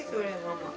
ママ。